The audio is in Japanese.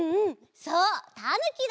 そうたぬきだよ！